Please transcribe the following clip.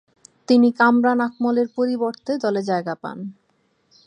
তিনি কামরান আকমল এর পরিবর্তে দলে জায়গা পান।